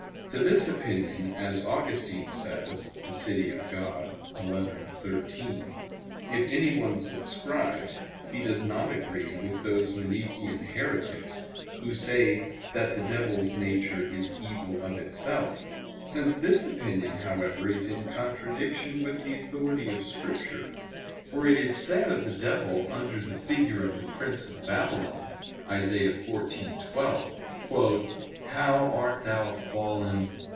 To this opinion, as Augustine says (De Civ. Dei xi, 13), if anyone subscribes, he does not agree with those Manichean heretics who say that the devil's nature is evil of itself. Since this opinion, however, is in contradiction with the authority of Scripture for it is said of the devil under the figure of the prince of Babylon (Isa. 14:12): "How art thou fallen